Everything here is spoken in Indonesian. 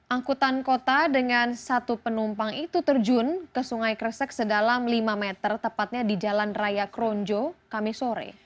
angkutan kota dengan satu penumpang itu terjun ke sungai kresek sedalam lima meter tepatnya di jalan raya kronjo kamisore